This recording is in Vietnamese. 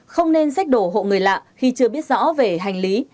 không nên sách đổ hộ người lạ khi chưa biết rõ về hành lý